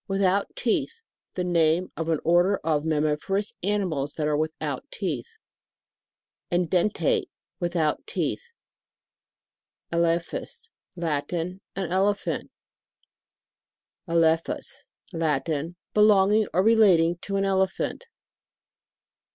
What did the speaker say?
Without teeth. The name of an order of mammiferous animals that ara without teeth. EDENTATE. Without teeth. ELEPHAS. Latin. An Elephant. ELEPHUS. Latin. Belonging or re lating to an elephant.